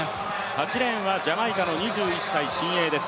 ８レーンはジャマイカの２１歳新鋭です。